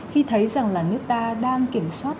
khi thấy rằng là nước ta đang kiểm soát